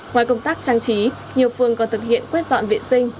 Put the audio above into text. ngoài công tác trang trí nhiều phương còn thực hiện quyết dọn viện sinh